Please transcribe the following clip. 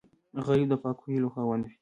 غریب د پاکو هیلو خاوند وي